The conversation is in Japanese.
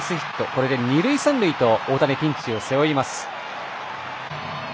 これで二塁三塁と大谷、ピンチを背負います。